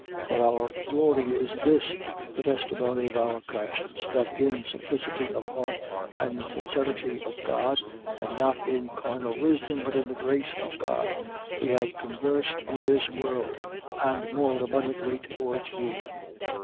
1:12. For our glory is this: the testimony of our conscience, that in simplicity of heart and sincerity of God, and not in carnal wisdom, but in the grace of God, we have conversed in this world: and more abundantly towards you.